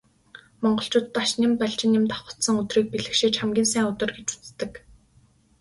Монголчууд Дашням, Балжинням давхацсан өдрийг бэлгэшээж хамгийн сайн өдөр гэж үздэг.